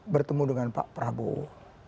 bertemu dengan pak prabowo